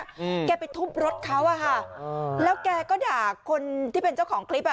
อืมแกไปทุบรถเขาอ่ะค่ะอ๋อแล้วแกก็ด่าคนที่เป็นเจ้าของคลิปอ่ะ